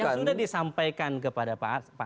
yang sudah disampaikan kepada pak